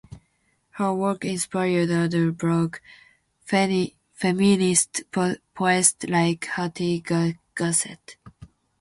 Her work inspired other black feminist poets like Hattie Gossett.